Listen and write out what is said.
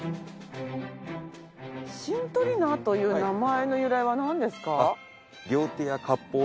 シントリ菜という名前の由来はなんですか？